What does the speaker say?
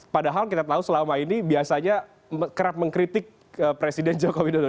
padahal kita tahu selama ini biasanya kerap mengkritik presiden joko widodo